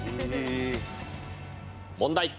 問題。